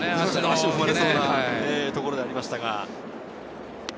足を踏まれそうなところではありました。